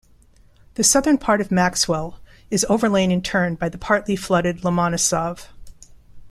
The southern part of Maxwell is overlain in turn by the partly flooded Lomonosov.